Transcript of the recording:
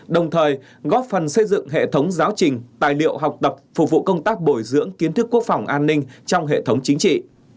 đồng thời góp phần xây dựng hệ thống giáo trình tài liệu học tập phục vụ công tác bồi dưỡng kiến thức quốc phòng an ninh trong hệ thống chính trị